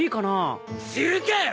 知るかよ！